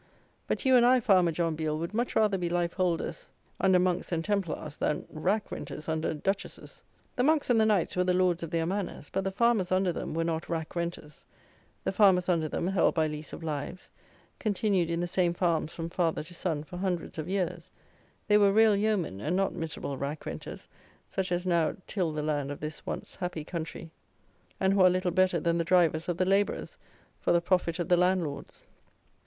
But, you and I, farmer John Biel, would much rather be life holders under monks and Templars, than rack renters under duchesses. The monks and the knights were the lords of their manors; but the farmers under them were not rack renters; the farmers under them held by lease of lives, continued in the same farms from father to son for hundreds of years; they were real yeomen, and not miserable rack renters, such as now till the land of this once happy country, and who are little better than the drivers of the labourers, for the profit of the landlords.